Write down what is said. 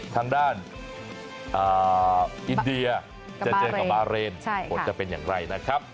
ทางด้านอินเดียจะเจอกับบาเรนผลจะเป็นอย่างไรนะครับ